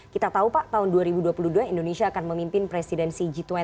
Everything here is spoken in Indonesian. kita tahu pak tahun dua ribu dua puluh dua indonesia akan memimpin presidensi g dua puluh